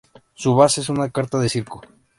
Su base es una carpa de circo.